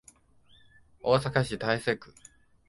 大阪市大正区